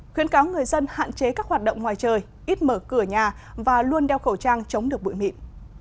khuyến cáo người dân hạn chế các hoạt động ngoài trời ít mở cửa nhà và luôn đeo khẩu trang chống được bụi mịn